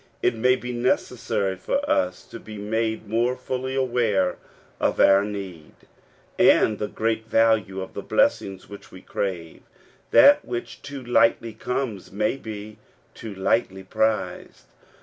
It may be necessary for us to be made more fully aware of our need, and the great value of the blessings which we crave. That which too lightly comes may be too lightly prized.